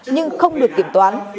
nhưng không được kiểm toán